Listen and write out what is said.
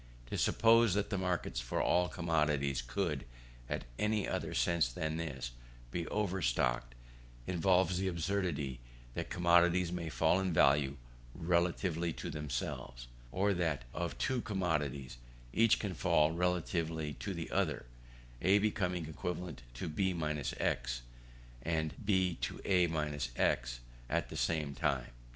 To suppose that the markets for all commodities could, in any other sense than this, be overstocked, involves the absurdity that commodities may fall in value relatively to themselves; or that, of two commodities, each can fall relatively to the other, A becoming equivalent to B x, and B to A x, at the same time.